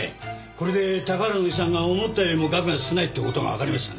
これで高原の遺産が思ったよりも額が少ないって事がわかりましたね。